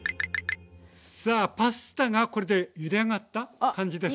さあパスタがこれでゆで上がった感じですかね？